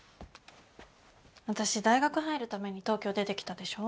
私大学入るために東京出てきたでしょ。